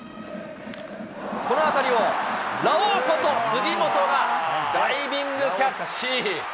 この当たりをラオウこと、杉本がダイビングキャッチ。